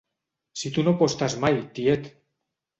Si tu no apostes mai, tiet!